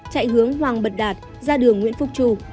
chạy hướng hoàng bật đạt ra đường nguyễn phúc chu